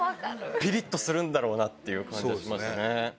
ぴりっとするんだろうなって感じがしましたね。